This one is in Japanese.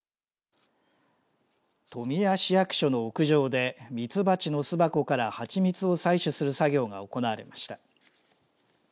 富谷市役所の屋上でミツバチの巣箱から蜂蜜を採取する作業が行われました。